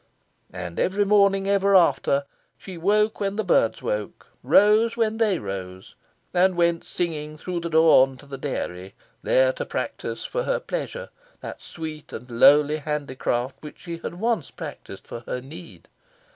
And every morning, ever after, she woke when the birds woke, rose when they rose, and went singing through the dawn to the dairy, there to practise for her pleasure that sweet and lowly handicraft which she had once practised for her need.